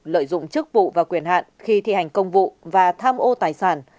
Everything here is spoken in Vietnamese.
lợi dụng chức vụ và quyền hạn khi thi hành công vụ và tham ô tài sản